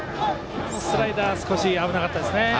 スライダー、少し危なかったですね。